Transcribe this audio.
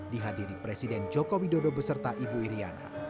di hadiri presiden jokowi dodo beserta ibu iryana